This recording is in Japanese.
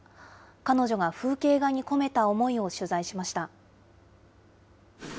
彼女が風景画に込めた思いを取材しました。